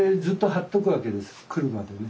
来るまでね。